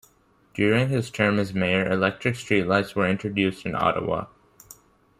During his term as mayor, electric street lights were introduced in Ottawa.